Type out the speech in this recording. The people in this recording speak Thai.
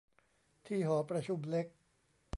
ที่หอประชุมเล็ก